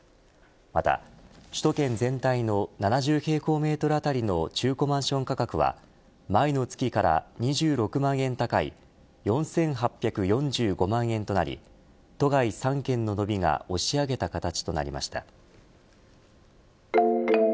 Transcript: また首都圏全体の７０平方メートルあたりの中古マンション価格は前の月から２６万円高い４８４５万円となり都外３県の伸びが押し上げた形となりました。